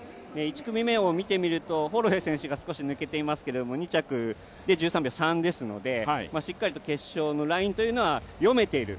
１組目を見てみるとホロウェイ選手が少し抜けていますけれども２着で１３秒３ですのでしっかりと決勝のラインは読めている。